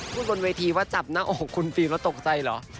บนเวทีว่าจับหน้าอกคุณฟิล์มแล้วตกใจเหรอ